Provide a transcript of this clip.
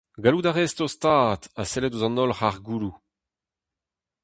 Gallout a rez tostaat ha sellet ouzh an holl c'hargouloù.